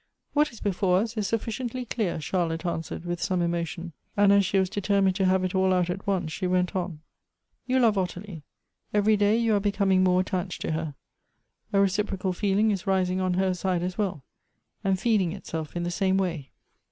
"What is before us "is sufficiently clear," Charlotte answered, with some emotion ; and as she was deter mined to have it all out at once, she went on : "You love Ottilie; evei y day you are becoming more attached to her. A reciprocal feeling is rising on her side as well, and feeding itself in the same way.